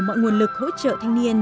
mọi nguồn lực hỗ trợ thanh niên